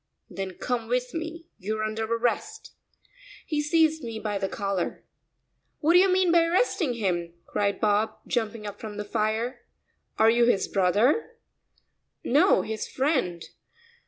"Then come with me, you're under arrest." He seized me by the collar. "What do you mean by arresting him?" cried Bob, jumping up from the fire. "Are you his brother?" "No, his friend."